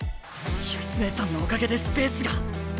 義経さんのおかげでスペースが。